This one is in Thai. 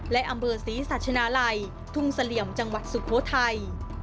และอำเภอศรีสัชนาลัยทุ่งเสลี่ยมจังหวัดสุโขทัย